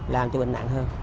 làm cho bệnh nặng hơn